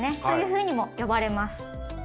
というふうにも呼ばれます。